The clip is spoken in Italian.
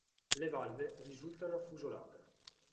Le valve risultano affusolate.